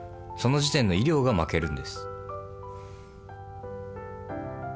「その時点の医療が負けるんです」